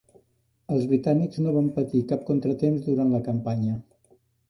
Els britànics no van patir cap contratemps durant la campanya.